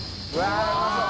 舛うまそう。